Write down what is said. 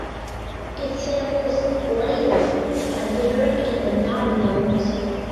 It samples "Layla" by Derek and the Dominos.